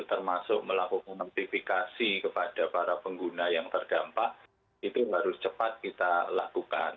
termasuk melakukan notifikasi kepada para pengguna yang terdampak itu harus cepat kita lakukan